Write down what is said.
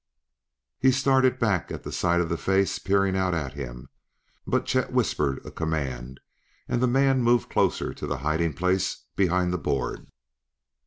He started back at sight of the face peering out at him, but Chet whispered a command, and the man moved closer to the hiding place behind the board.